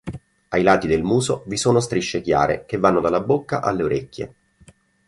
Ai lati del muso vi sono strisce chiare che vanno dalla bocca alle orecchie.